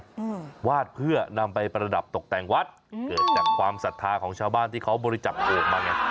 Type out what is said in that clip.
อืมวาดเพื่อนำไปประดับตกแต่งวัดอืมเกิดจากความศรัทธาของชาวบ้านที่เขาบริจักษ์มาไง